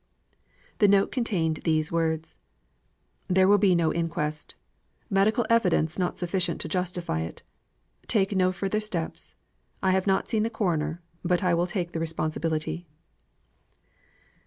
The note contained these words: "There will be no inquest. Medical evidence not sufficient to justify it. Take no further steps. I have not seen the coroner; but I will take the responsibility."